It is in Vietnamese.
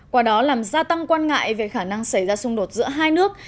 qua đó làm gia tăng quan ngại về khả năng xảy ra xung đột giữa hai nước